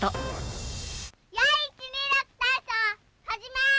４・１・２・６体操始め！